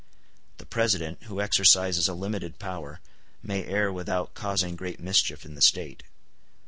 The President, who exercises a limited power, may err without causing great mischief in the State.